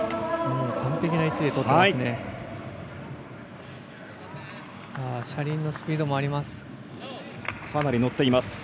完璧な位置で取ってますね。